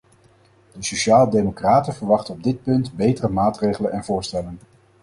De sociaaldemocraten verwachten op dit punt betere maatregelen en voorstellen.